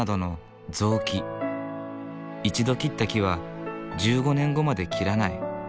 一度切った木は１５年後まで切らない。